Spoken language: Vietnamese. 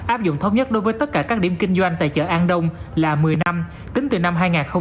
áp dụng thống nhất đối với tất cả các điểm kinh doanh tại chợ an đông là một mươi năm tính từ năm hai nghìn một mươi